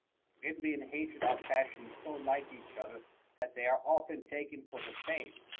1. Envy and hatred are passions so like each other that they are often taken for the same.